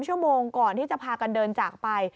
ชั่วโมงก่อนที่จะพากันเดินจากไป